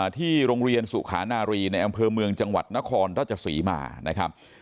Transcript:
ที่โรงเรียนสุขานารีในอำเภอเมืองจังหวัดนครราชศรีมานะครับ